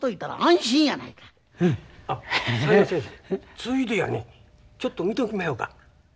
ついでやちょっと診ときまひょか。